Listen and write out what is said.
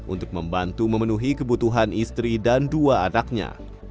untuk membantu memenuhi kebutuhan istri dan dua anaknya